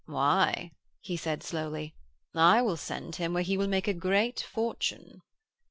'Why,' he said slowly, 'I will send him where he will make a great fortune.'